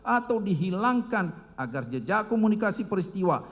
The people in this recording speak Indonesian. atau dihilangkan agar jejak komunikasi peristiwa